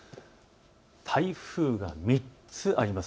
台風が３つあります。